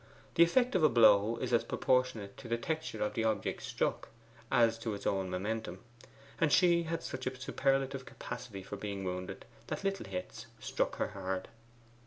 The effect of a blow is as proportionate to the texture of the object struck as to its own momentum; and she had such a superlative capacity for being wounded that little hits struck her hard.